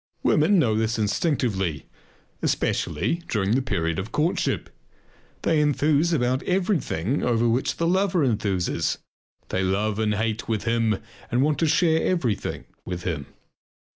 Women know this instinctively, especially during the period of courtship. They enthuse about everything over which the lover enthuses; they love and hate with him and want to share everything with him.